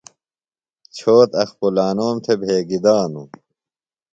چھوت اخپُلانوم تھےۡ بھیگیۡ دانوۡ۔